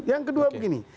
yang kedua begini